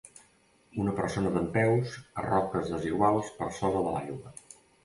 Una persona dempeus a roques desiguals per sobre de l'aigua.